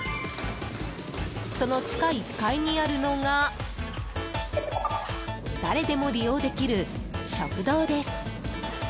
その地下１階にあるのが誰でも利用できる食堂です。